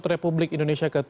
republik indonesia ke tujuh puluh